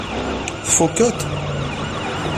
Tfukkeḍ-t?